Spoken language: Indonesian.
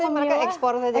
biasanya mereka ekspor saja